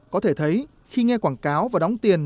có thể thấy khi nghe quảng cáo và đóng tiền